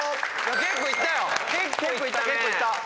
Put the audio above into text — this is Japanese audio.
結構いったよ！